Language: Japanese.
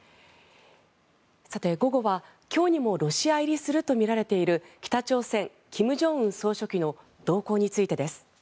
午後は今日にもロシア入りするとみられている北朝鮮の金正恩総書記の動向についてです。